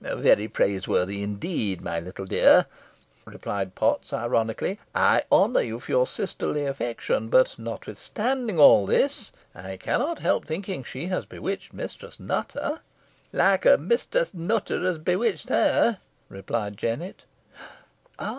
"Very praiseworthy, indeed, my little dear," replied Potts, ironically. "I honour you for your sisterly affection; but, notwithstanding all this, I cannot help thinking she has bewitched Mistress Nutter." "Licker, Mistress Nutter has bewitched her," replied Jennet.